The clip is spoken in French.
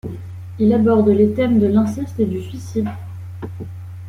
Il aborde les thèmes de l'inceste et du suicide.